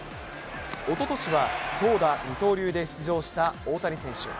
おととしは投打二刀流で出場した大谷選手。